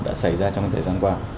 đã xảy ra trong thời gian qua